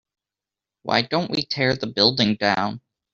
why don't we tear the building down?